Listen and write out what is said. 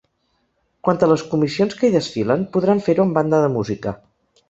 Quant a les comissions que hi desfilen, podran fer-ho amb banda de música.